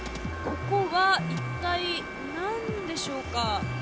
ここは一体、何でしょうか？